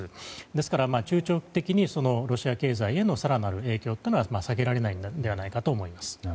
ですから、中長期的にロシア経済への更なる影響は避けられないのではないかと思います。